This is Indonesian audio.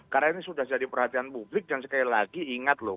karena ini sudah jadi perhatian publik dan sekali lagi ingat loh